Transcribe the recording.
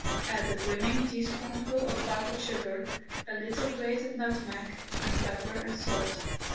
Add a brimming teaspoonful of powdered sugar, a little grated nutmeg, and pepper and salt.